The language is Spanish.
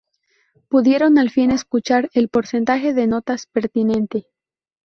Pudieron al fin escuchar el porcentaje de notas pertinente.